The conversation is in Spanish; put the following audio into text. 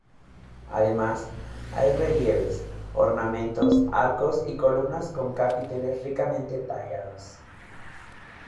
Además, hay relieves, ornamentos, arcos y columnas con capiteles ricamente tallados.